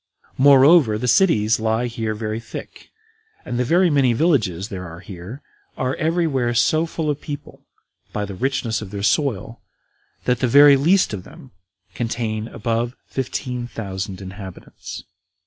Moreover, the cities lie here very thick, and the very many villages there are here are every where so full of people, by the richness of their soil, that the very least of them contain above fifteen thousand inhabitants.